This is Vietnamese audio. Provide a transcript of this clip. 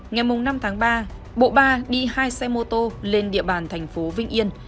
ngày năm tháng ba bộ ba đi hai xe mô tô lên địa bàn tp vĩnh yên